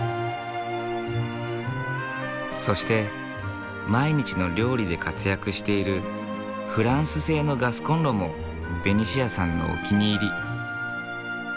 そして毎日の料理で活躍しているフランス製のガスコンロもベニシアさんのお気に入り。